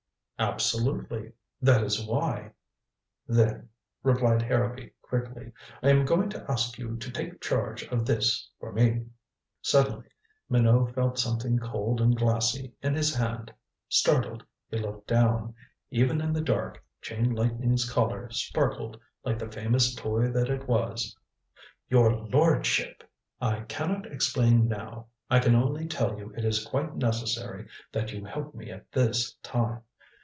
"Absolutely. That is why " "Then," replied Harrowby quickly, "I am going to ask you to take charge of this for me." Suddenly Minot felt something cold and glassy in his hand. Startled, he looked down. Even in the dark, Chain Lightning's Collar sparkled like the famous toy that it was. "Your lordship! " "I can not explain now. I can only tell you it is quite necessary that you help me at this time.